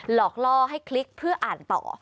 หลอกล่อให้คลิกเพื่ออ่านต่อ